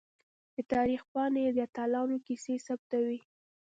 د تاریخ پاڼې د اتلانو کیسې ثبتوي.